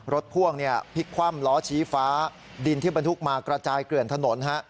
พ่วงพลิกคว่ำล้อชี้ฟ้าดินที่บรรทุกมากระจายเกลื่อนถนน